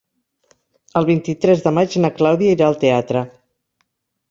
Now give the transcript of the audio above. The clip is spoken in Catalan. El vint-i-tres de maig na Clàudia irà al teatre.